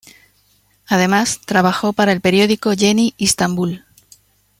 Además, trabajó para el periódico "Yeni İstanbul".